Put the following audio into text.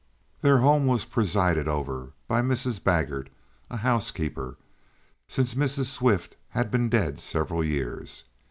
Their home was presided over by Mrs. Baggert, as housekeeper, since Mrs. Swift had been dead several years.